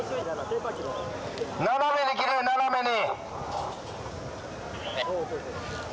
斜めに切れ、斜めに。